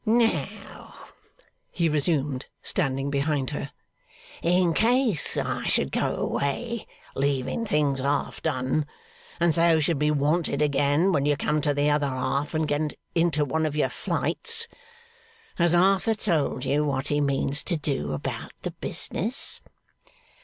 'Now,' he resumed, standing behind her: 'in case I should go away leaving things half done, and so should be wanted again when you come to the other half and get into one of your flights, has Arthur told you what he means to do about the business?